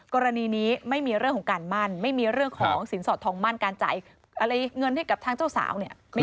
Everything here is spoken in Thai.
กรณีนี้ไม่มีเรื่องของการมั่นไม่มีเรื่องของสินสอดทองมั่นการจ่ายอะไรเงินให้กับทางเจ้าสาวเนี่ย